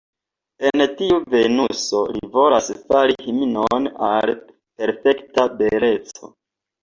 El tiu Venuso li volas fari himnon al perfekta beleco.